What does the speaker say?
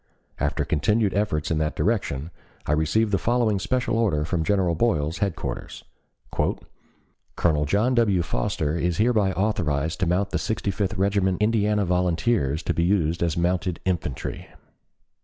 After continued efforts in that direction, I received the following Special Order from General Boyle's headquarters. "Colonel John W. Foster is hereby authorized to mount the Sixty fifth Regiment Indiana Volunteers to be used as mounted infantry.